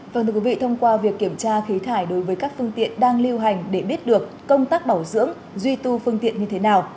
vâng thưa quý vị thông qua việc kiểm tra khí thải đối với các phương tiện đang lưu hành để biết được công tác bảo dưỡng duy tu phương tiện như thế nào